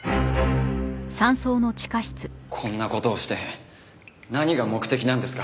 こんな事をして何が目的なんですか？